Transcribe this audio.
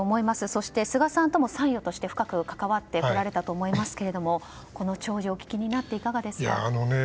そして菅さんとも参与として深く関わってこられたと思いますがこの弔辞をお聞きになっていかがですか？